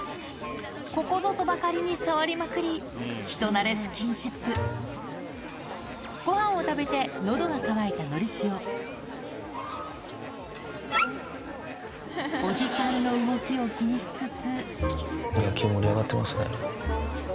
ここぞとばかりに触りまくり人なれスキンシップご飯を食べて喉が渇いたのりしおおじさんの動きを気にしつつ野球盛り上がってますね。